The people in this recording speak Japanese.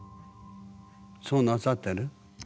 そうなさってる？